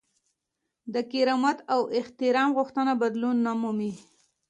د کرامت او احترام غوښتنه بدلون نه مومي.